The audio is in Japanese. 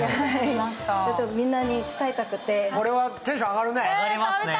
これはテンション上がるね。